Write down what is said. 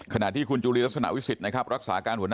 ขณะที่คุณจุฬิสลัขนาดวิสิตนะครับ